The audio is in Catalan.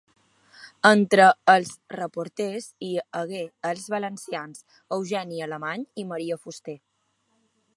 Entre els reporters hi hagué els valencians Eugeni Alemany i Maria Fuster.